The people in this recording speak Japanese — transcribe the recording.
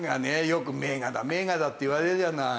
よく名画だ名画だって言われるじゃない。